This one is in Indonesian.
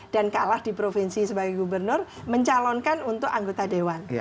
kalah di provinsi sebagai gubernur mencalonkan untuk anggota dewan